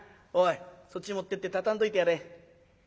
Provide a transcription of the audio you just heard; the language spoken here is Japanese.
おいそっち持ってって畳んどいてやれ。